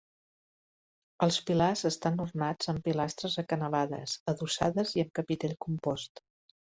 Els pilars estan ornats amb pilastres acanalades, adossades i amb capitell compost.